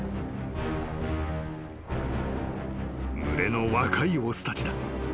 ［群れの若い雄たちだ］